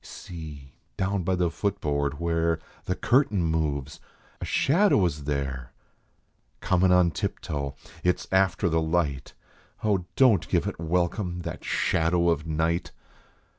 See, down by the foot board, where The curtain moves ! A shadow is there, Comin on tiptoe ! It s after the light. Oh, don t give it welcome, that shadow of night